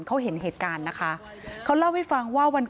เขาเห็นเหตุการณ์นะคะเขาเล่าให้ฟังว่าวันก่อน